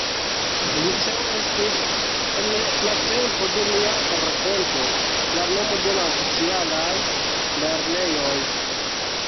Liceo estis, en la tempo de nia rakonto, la nomo de la oficialaj lernejoj.